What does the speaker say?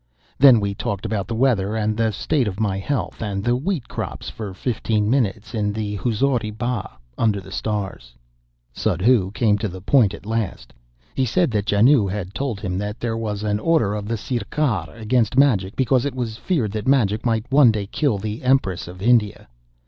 Then we talked about the weather and the state of my health, and the wheat crops, for fifteen minutes, in the Huzuri Bagh, under the stars. Suddhoo came to the point at last. He said that Janoo had told him that there was an order of the Sirkar against magic, because it was feared that magic might one day kill the Empress of India.